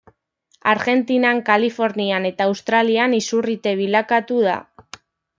Argentinan, Kalifornian eta Australian izurrite bilakatu da.